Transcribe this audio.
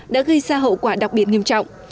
đã gây ra hậu quả đặc biệt nghiêm trọng